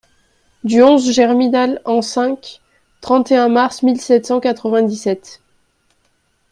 Du onze germinal an cinq (trente et un mars mille sept cent quatre-vingt-dix-sept).